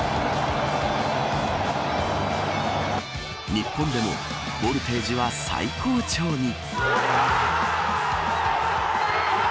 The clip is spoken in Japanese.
日本でもボルテージは最高潮に。